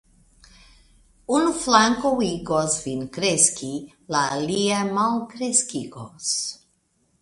Unu flanko igos vin kreski, la alia malkreskigos.